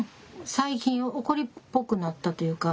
最近怒りっぽくなったというか。